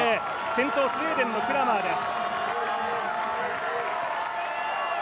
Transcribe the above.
先頭スウェーデンのクラマーです。